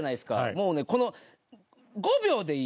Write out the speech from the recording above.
もうねこの。